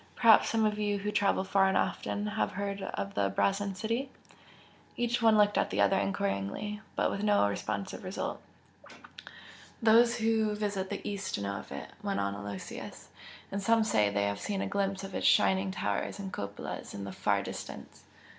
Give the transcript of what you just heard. Perhaps some of you who travel far and often, have heard of the Brazen City?" Each one looked at the other enquiringly, but with no responsive result. "Those who visit the East know of it" went on Aloysius "And some say they have seen a glimpse of its shining towers and cupolas in the far distance.